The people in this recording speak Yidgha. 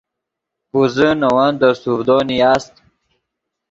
پوزے نے ون دے سوڤدو نیاست